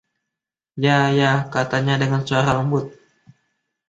"Ya, ya," katanya dengan suara lembut.